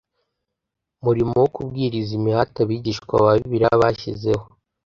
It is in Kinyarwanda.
murimo wo kubwiriza Imihati Abigishwa ba Bibiliya bashyizeho